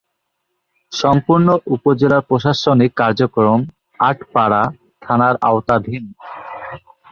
সম্পূর্ণ উপজেলার প্রশাসনিক কার্যক্রম আটপাড়া থানার আওতাধীন।